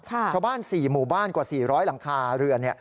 ชาวบ้าน๔หมู่บ้านกว่า๔๐๐หลังคาเรือน